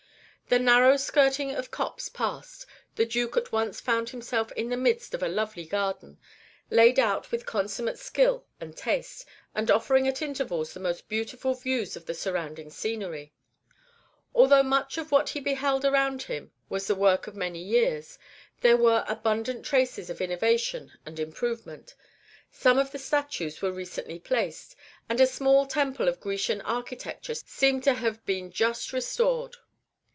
The narrow skirting of copse passed, the Duke at once found himself in the midst of a lovely garden, laid out with consummate skill and taste, and offering at intervals the most beautiful views of the surrounding scenery. Although much of what he beheld around him was the work of many years, there were abundant traces of innovation and improvement. Some of the statues were recently placed, and a small temple of Grecian architecture seemed to have been just restored.